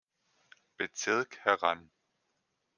Bezirk heran.